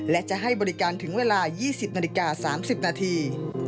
และจะให้บริการถึงเวลา๒๐นาฬิกา๓๐นาที